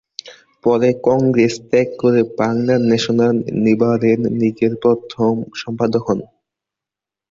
পরে কংগ্রেস ত্যাগ করে বাংলার ন্যাশনাল লিবারেল লীগের প্রথম সম্পাদক হন।